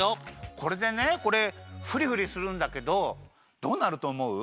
これでねこれふりふりするんだけどどうなるとおもう？